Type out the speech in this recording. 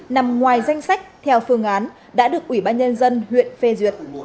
nằm ngoài danh sách theo phương án đã được ủy ban nhân dân huyện phê duyệt